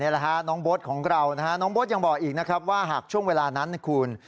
น้องโบ๊ทของเรานะฮะน้องโบ๊ทยังบอกอีกนะครับว่าหากช่วงเวลานั้นนะคุณ